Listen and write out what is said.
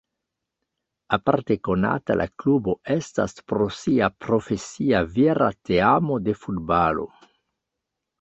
Aparte konata la klubo estas pro sia profesia vira teamo de futbalo.